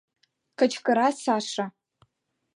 — кычкыра Саша.